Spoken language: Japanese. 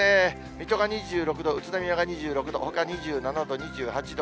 水戸が２６度、宇都宮が２６度、ほか２７度、２８度。